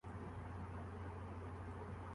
کرسیاں بھی چل جائیں۔